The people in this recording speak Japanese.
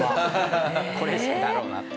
これだろうなって。